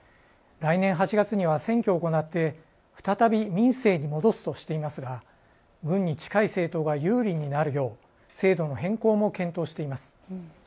来年８月には選挙を行って再び民政に戻すとしていますが軍に近い政党が有利になるよう制度の変更も検討しています。